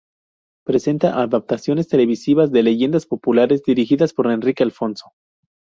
Presenta adaptaciones televisivas de leyendas populares dirigidas por Enrique Alfonso.